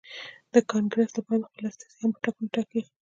د کانګرېس لپاره خپل استازي هم په ټاکنو کې ټاکي.